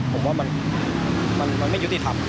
ผมว่ามันไม่ยุติธรรม